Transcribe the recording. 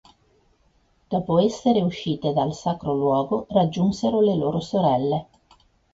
Dopo essere uscite dal sacro luogo raggiunsero le loro sorelle.